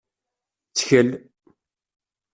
Ttkel!